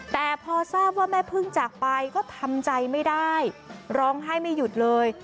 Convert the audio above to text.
แต่พอทราบว่าแม่พึ่งจากไปก็ทำใจไม่ได้ร้องไห้ไม่หยุดเลย